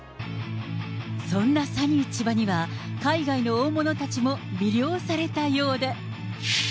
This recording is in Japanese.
そんなサニー千葉には海外の大物たちも魅了されたようで。